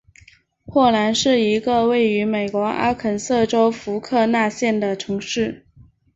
霍兰是一个位于美国阿肯色州福克纳县的城市。